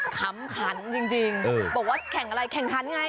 ขำขันจริงบอกว่าแข่งอะไรแข่งขันไง